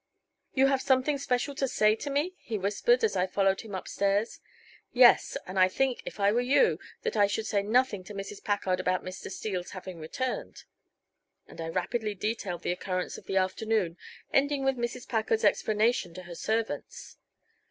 You have something special to say to me?" he whispered, as I followed him upstairs. "Yes, and I think, if I were you, that I should say nothing to Mrs. Packard about Mr. Steele's having returned." And I rapidly detailed the occurrence of the afternoon, ending with Mrs. Packard's explanation to her servants.